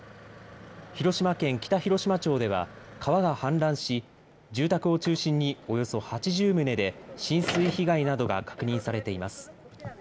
広島県北広島町では川が氾濫し住宅を中心におよそ８０棟で浸水被害などが確認されています。